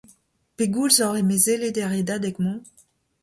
Pegoulz oc'h emezelet er redadeg-mañ ?